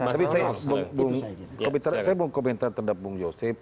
tapi saya mau komentar terhadap bung joseph